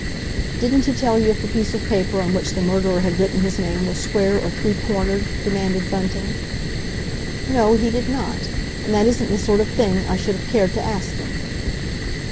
"Didn't he tell you if the piece of paper on which the murderer had written his name was square or three cornered?" demanded Bunting. "No; he did not. And that isn't the sort of thing I should have cared to ask him."